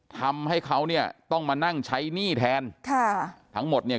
ทำให้เขาเนี่ยต้องมานั่งใช้หนี้แทนค่ะทั้งหมดเนี่ย